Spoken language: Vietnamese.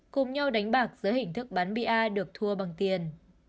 cùng nhau đánh bạc giữa hình thức bán bia được thua bằng tiền